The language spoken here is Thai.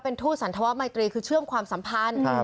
ทูตสันธวมัยตรีคือเชื่อมความสัมพันธ์